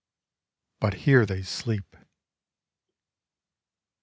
— But here they sleep.